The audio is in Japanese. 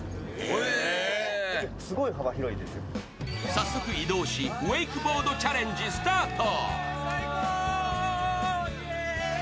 早速移動し、ウエークボードチャレンジスタート。